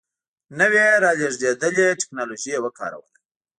نوې رالېږدېدلې ټکنالوژي یې وکاروله.